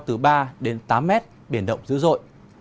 từ ba tám m biển động dữ dội